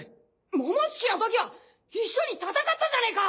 モモシキのときは一緒に戦ったじゃねえか！